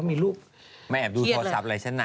พี่ปุ้ยลูกโตแล้ว